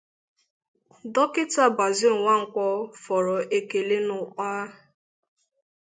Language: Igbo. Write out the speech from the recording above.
Dọkịta Basil Nwankwọ fọrọ èkele n'ụkpa